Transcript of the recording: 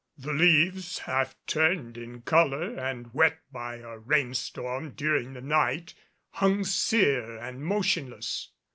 The leaves, half turned in color and wet by a rain storm during the night, hung sere and motionless.